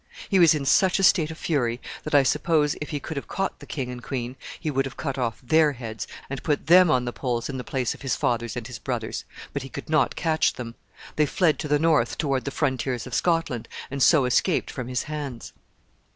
He was in such a state of fury, that I suppose, if he could have caught the king and queen, he would have cut off their heads, and put them on the poles in the place of his father's and his brother's; but he could not catch them. They fled to the north, toward the frontiers of Scotland, and so escaped from his hands.